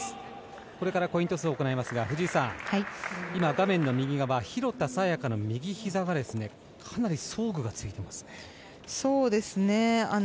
これからコイントスを行いますが藤井さん、今、画面の右側廣田彩花の右ひざにかなり装具がついてますね。